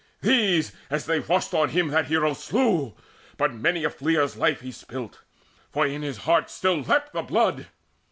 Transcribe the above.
These, as they rushed on him, That hero slew; but many a fleer's life He spilt, for in his heart still leapt the blood.